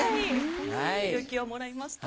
はい勇気をもらいました。